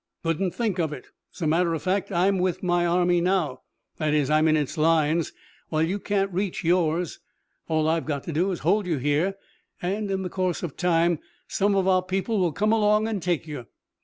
"Couldn't think of it. As a matter of fact, I'm with my army now; that is, I'm in its lines, while you can't reach yours. All I've got to do is to hold you here, and in the course of time some of our people will come along and take you."